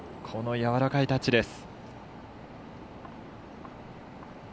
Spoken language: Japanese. やわらかいタッチです。